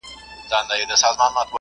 د لویې جرګي وخت ولي کله ناکله غځول کیږي؟